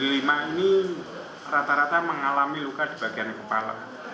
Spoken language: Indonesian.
lima ini rata rata mengalami luka di bagian kepala